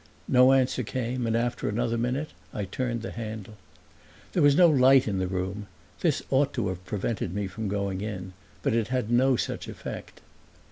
No answer came and after another minute I turned the handle. There was no light in the room; this ought to have prevented me from going in, but it had no such effect.